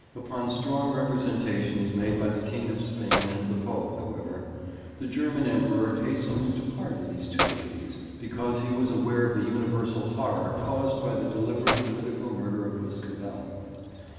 Upon strong representations made by the King of Spain and the Pope, however, the German Emperor hastened to pardon these two ladies, because he was aware of the universal horror caused by the deliberate political murder of Miss Cavell.